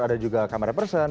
ada juga camera person